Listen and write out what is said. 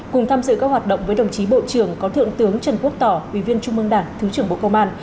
cùng tham dự các hoạt động với đồng chí bộ trưởng có thượng tướng trần quốc tỏ ủy viên trung mương đảng thứ trưởng bộ công an